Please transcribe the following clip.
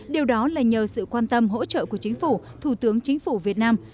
điều đó là nhờ sự quan tâm hỗ trợ của chính phủ thủ tướng chính phủ việt nam